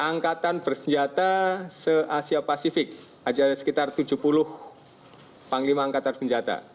angkatan bersenjata se asia pasifik ada sekitar tujuh puluh panglima angkatan bersenjata